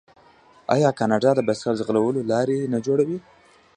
آیا کاناډا د بایسکل ځغلولو لارې نه جوړوي؟